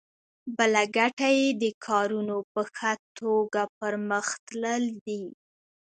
بله ګټه یې د کارونو په ښه توګه پرمخ تلل دي.